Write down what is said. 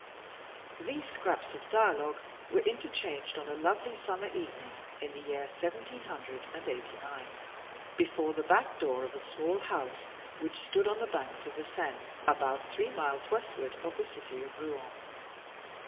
_ These scraps of dialogue were interchanged on a lovely summer evening in the year seventeen hundred and eighty nine, before the back door of a small house which stood on the banks of the Seine, about three miles westward of the city of Rouen.